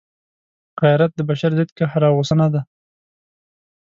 غیرت د بشر ضد قهر او غصه نه ده.